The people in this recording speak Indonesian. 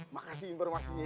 makasih informasinya ya